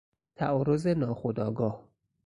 تعارض ناخودآگاه